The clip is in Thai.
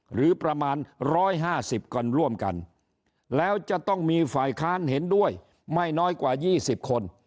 หรือประมาณ๑๕๐คนร่วมกันแล้วจะต้องมีฝ่ายค้านเห็นด้วยไม่น้อยกว่า๒๐คน